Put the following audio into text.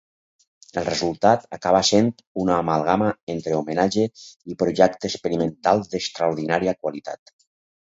El resultat acaba sent una amalgama entre homenatge i projecte experimental d'extraordinària qualitat.